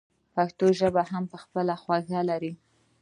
پښتو ژبه هم خپله خوږه لري.